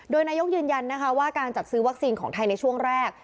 โดยนายกยืนยันนะคะว่าการจัดซื้อวัคซีนของไทยในช่วงแรก